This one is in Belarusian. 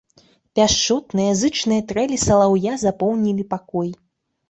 Пяшчотныя, зычныя трэлі салаўя запоўнілі пакой.